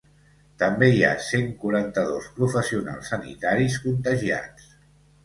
També hi ha cent quaranta-dos professionals sanitaris contagiats.